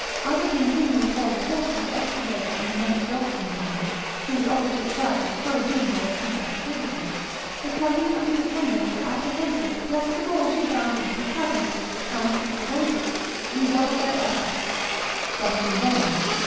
As a continual fall of water had excavated an immense gulf in the valley, whose opposite side was closed in by a steep acclivity, the Caliph and his attendants were apprehensive lest the ball should bound into the chasm, and, to prevent it, redoubled their efforts, but in vain.